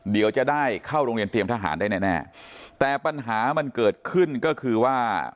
เดี๋ยวจะได้เข้าโรงเรียนเตรียมทหารได้แน่แน่แต่ปัญหามันเกิดขึ้นก็คือว่า